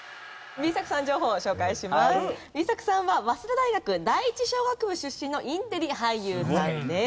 Ｂ作さんは早稲田大学第一商学部出身のインテリ俳優さんです。